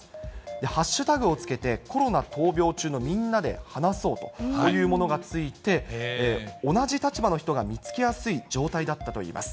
ハッシュタグをつけてコロナ闘病中のみんなで話そうというものがついて、同じ立場の人が見つけやすい状態だったといいます。